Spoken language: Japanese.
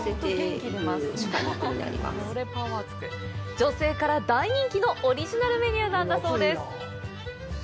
女性から大人気のオリジナルメニューなんだそうです。